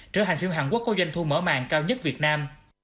trở thành phiếu hàn quốc có doanh thu mở màng cao nhất việt nam